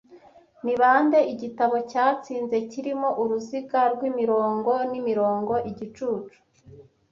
Ni bande igitabo cyatsinze kirimo uruziga rw'Imirongo n'imirongo igicucu